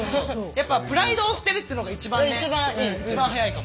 やっぱプライドを捨てるっていうのが一番ね一番早いかも。